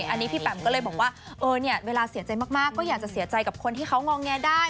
อันนี้พี่แปมก็เลยบอกว่าเออเนี่ยเวลาเสียใจมากก็อยากจะเสียใจกับคนที่เขางอแงได้